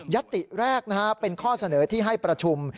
ยะติแรกนะครับเป็นข้อเสนอที่ให้ประชุม